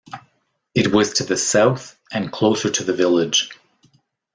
It was to the south and closer to the village.